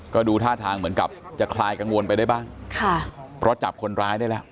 ก็ดูท่าทางเหมือนกับจะคลายกังวลไปได้บ้างค่ะเพราะจับคนร้ายได้แล้ว